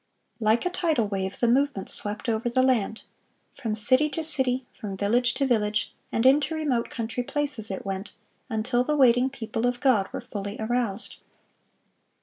Like a tidal wave the movement swept over the land. From city to city, from village to village, and into remote country places it went, until the waiting people of God were fully aroused.